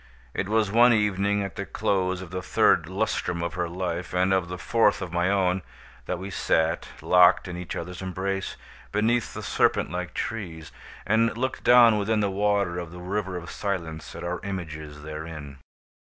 It was one evening at the close of the third lustrum of her life, and of the fourth of my own, that we sat, locked in each other's embrace, beneath the serpent like trees, and looked down within the water of the River of Silence at our images therein.